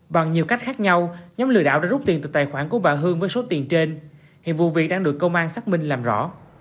bằng nhiều cách khác nhau nhóm lừa đảo đã rút tiền từ tài khoản của bà hương với số tiền trên hiện vụ việc đang được công an xác minh làm rõ